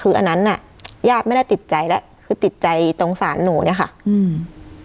คืออันนั้นน่ะญาติไม่ได้ติดใจแล้วคือติดใจตรงศาลหนูเนี้ยค่ะอืม